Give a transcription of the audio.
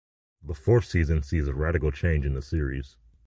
The fourth season sees a radical change in the series.